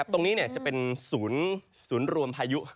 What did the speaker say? ตรงนี้จะเป็นศูนย์รวมพายุ